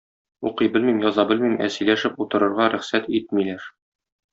Укый белмим, яза белмим, ә сөйләшеп утырырга рөхсәт итмиләр.